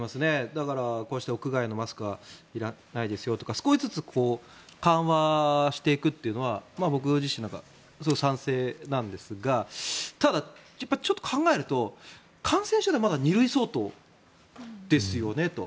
だからこうして屋外のマスクはいらないですよとか少しずつ緩和していくのは僕自身、賛成なんですがただ、ちょっと考えると感染症ってまだ２類相当ですよねと。